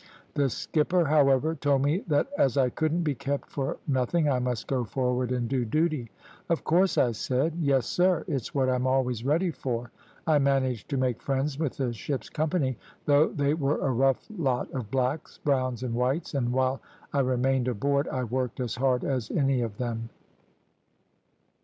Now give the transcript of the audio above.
The skipper, however, told me that as I couldn't be kept for nothing, I must go forward and do duty. Of course I said, `Yes, sir; it's what I'm always ready for.' I managed to make friends with the ship's company, though they were a rough lot of blacks, browns, and whites, and while I remained aboard I worked as hard as any of them.